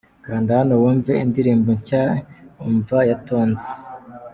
Kanda hano wumve indirimbo nshya'Umva'ya Tonzi .